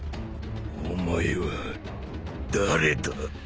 お前は誰だ？